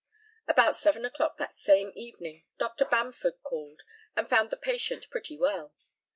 About seven o'clock that same evening Dr. Bamford called, and found the patient pretty well.